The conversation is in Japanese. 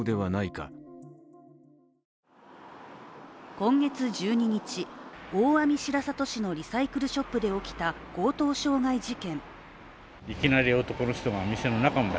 今月１２日、大網白里市のリサイクルショップで起きた、強盗傷害事件。